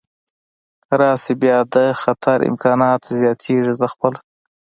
راشي، بیا د خطر امکانات زیاتېږي، زه خپله.